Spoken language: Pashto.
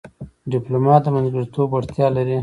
ډيپلومات د منځګړیتوب وړتیا لري.